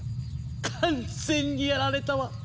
完全にやられたわ。